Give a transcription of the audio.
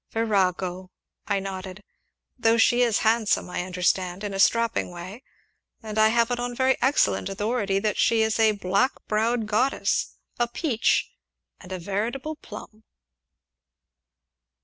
"Virago!" I nodded, "though she is handsome, I understand in a strapping way and I have it on very excellent authority that she is a black browed goddess, a peach, and a veritable plum."